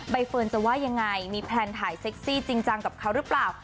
เฟิร์นจะว่ายังไงมีแพลนถ่ายเซ็กซี่จริงจังกับเขาหรือเปล่า